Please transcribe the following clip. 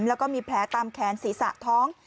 แล้วก็มีแผลตามแขนศีรษะท้อง